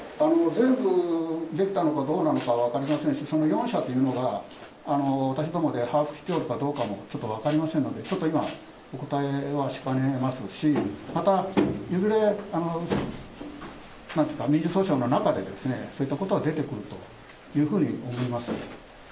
全部できたのかどうなのか、分かりませんし、その４社というのが、私どもで把握しておるかどうかもちょっと分かりませんので、ちょっと今、お答えはしかねますし、また、いずれ民事訴訟の中で、そういうことは出てくるというふうに思います。